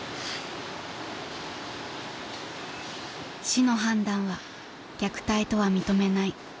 ［市の判断は虐待とは認めない］